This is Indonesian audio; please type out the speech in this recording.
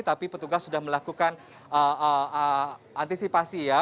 tapi petugas sudah melakukan antisipasi ya